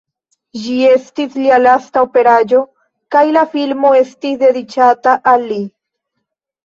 Ĝi estis lia lasta aperaĵo, kaj la filmo estis dediĉata al li.